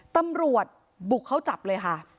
ตำรวจบุกเข้าจับเลยค่ะ